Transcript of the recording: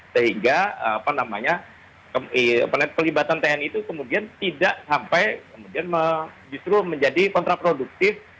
sehingga pelibatan tni itu kemudian tidak sampai kemudian justru menjadi kontraproduktif